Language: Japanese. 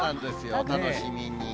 お楽しみに。